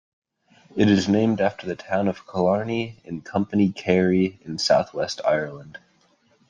It is named after the town of Killarney in Company Kerry in southwest Ireland.